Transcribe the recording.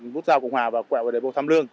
bút giao cộng hòa và quẹo đại bộ tham lương